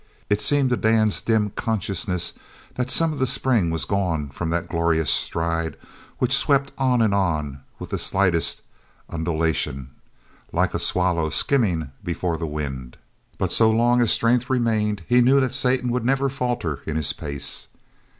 It seemed to Dan's dim consciousness that some of the spring was gone from that glorious stride which swept on and on with the slightest undulation, like a swallow skimming before the wind; but so long as strength remained he knew that Satan would never falter in his pace.